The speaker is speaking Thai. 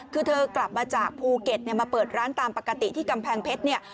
คือเธอกลับมาจากภูเก็ตเนี่ยมาเปิดร้านตามปกติที่กำแพงเพชรเนี่ย